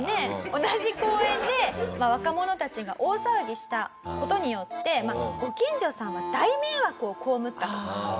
同じ公園で若者たちが大騒ぎした事によってご近所さんは大迷惑を被ったと。